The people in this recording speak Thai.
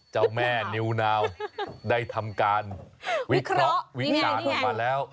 เจ้าแม่นิวนาวได้ทำการวิเคราะห์วิจารณ์ออกมาแล้ว